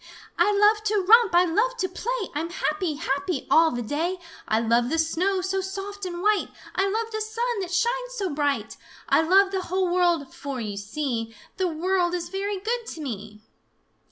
"I love to romp! I love to play! I'm happy, happy, all the day! I love the snow, so soft and white! I love the sun that shines so bright! I love the whole world, for, you see, The world is very good to me!"